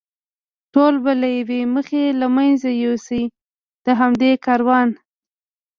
ټول به له یوې مخې له منځه یوسي، د همدې کاروان.